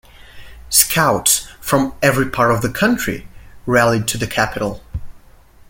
Scouts from every part of the country rallied to the capital.